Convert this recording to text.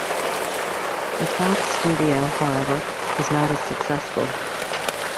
The Fox studio, however, was not as successful.